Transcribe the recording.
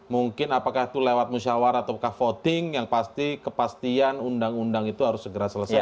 mungkin apakah itu lewat musyawarah atau voting yang pasti kepastian undang undang itu harus segera selesai